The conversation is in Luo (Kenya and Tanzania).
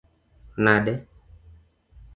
nade?